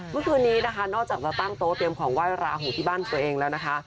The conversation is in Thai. เมื่อคืนนี้นะคะนอกจากจะตั้งโต๊ะเตรียมของไหว้ราหูที่บ้านตัวเองแล้วนะคะ